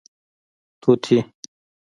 🦜 طوطي